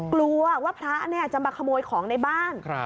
กลัวว่าพระจะมาขโมยของในบ้าน